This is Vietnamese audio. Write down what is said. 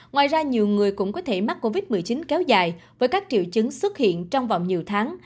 ngoài ra nhiều người cũng có thể mắc covid một mươi chín kéo dài với các triệu chứng xuất hiện trong vòng nhiều tháng